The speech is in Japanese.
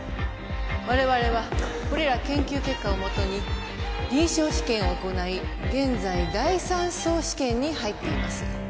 我々はこれら研究結果をもとに臨床試験を行い現在第Ⅲ相試験に入っています